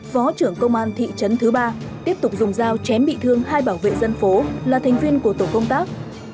phó trưởng công an thị trấn thứ ba tiếp tục dùng dao chém bị thương hai bảo vệ dân phố là thành viên của tổ công tác